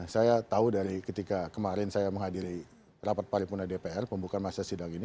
saya tahu dari ketika kemarin saya menghadiri rapat paripurna dpr pembukaan masa sidang ini